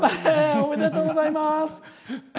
おめでとうございます。